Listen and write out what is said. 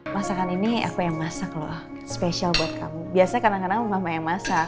masakan ini aku yang masak loh spesial buat kamu biasanya kadang kadang rumah yang masak